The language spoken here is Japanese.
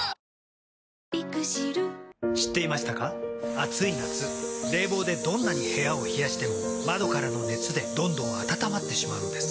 暑い夏冷房でどんなに部屋を冷やしても窓からの熱でどんどん暖まってしまうんです。